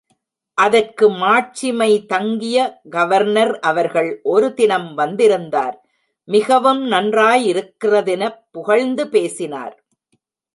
அதற்கு மாட்சிமை தங்கிய கவர்னர் அவர்கள் ஒரு தினம் வந்திருந்தார் மிகவும் நன்றாயிருக்கிறதெனப் புகழ்ந்து பேசினார்.